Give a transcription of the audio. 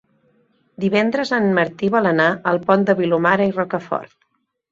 Divendres en Martí vol anar al Pont de Vilomara i Rocafort.